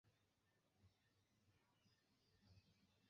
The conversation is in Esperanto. Komencis verki poemojn kaj kantojn jam en infana aĝo.